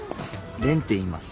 蓮っていいます。